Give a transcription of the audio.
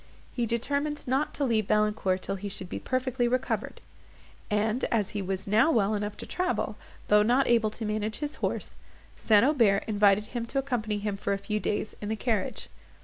He determined not to leave Valancourt till he should be perfectly recovered; and, as he was now well enough to travel, though not able to manage his horse, St. Aubert invited him to accompany him for a few days in the carriage.